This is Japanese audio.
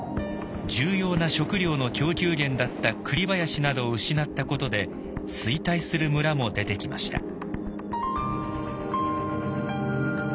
重要な食料の供給源だったクリ林などを失ったことで衰退する村も出てきました。